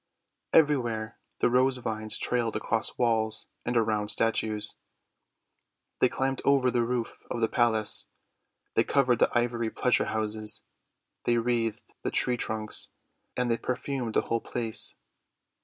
Everywhere the Rose Vines trailed across walls and around statues; they climbed over the roof of the palace; they covered the ivory pleasure houses; they wreathed the tree trunks; and they perfumed the whole place.